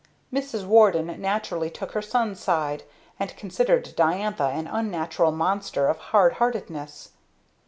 Mrs. Warden naturally took her son's side, and considered Diantha an unnatural monster of hard heartedness.